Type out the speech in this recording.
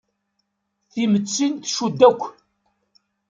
Timetti tcudd akk.